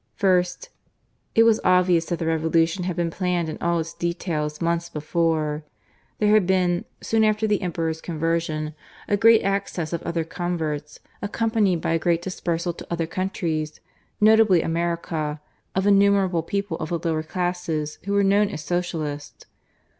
First, it was obvious that the revolution had been planned in all its details months before. There had been, soon after the Emperor's conversion, a great access of other converts, accompanied by a dispersal to other countries, notably America, of innumerable people of the lower classes who were known as Socialists.